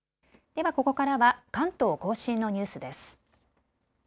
ではここからは関東甲信のニュースです。